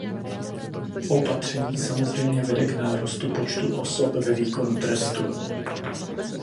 Opatření samozřejmě vede k nárůstu počtu osob ve výkonu trestu.